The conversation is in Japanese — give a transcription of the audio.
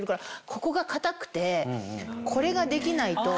ここが硬くてこれができないと。